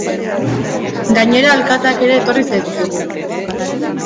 Gainera, alkateak ere etorri zaizkigu.